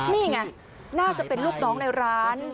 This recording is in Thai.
นี่ไงน่าจะเป็นลูกน้องในร้าน